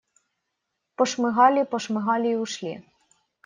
Пошмыгали, пошмыгали и ушли.